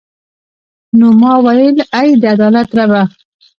نو ما ویل ای د عدالت ربه.